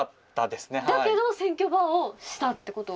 だけど選挙バーをしたってこと？